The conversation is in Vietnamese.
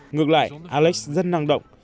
ngược lại alex rất năng động